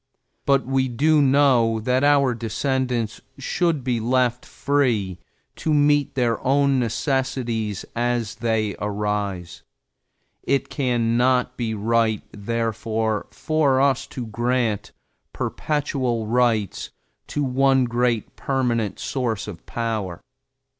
But we do know that our descendants should be left free to meet their own necessities as they arise. It can not be right, therefore, for us to grant perpetual rights to the one great permanent source of power.